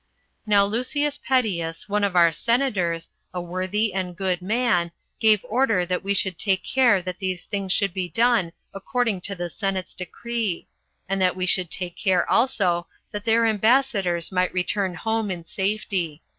Now Lucius Pettius, one of our senators, a worthy and good man, gave order that we should take care that these things should be done according to the senate's decree; and that we should take care also that their ambassadors might return home in safety.